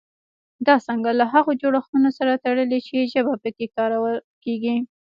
دا څانګه له هغو جوړښتونو سره تړلې چې ژبه پکې کار کوي